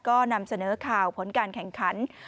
ก็นำเสนอข่าวผลการแข่งขัน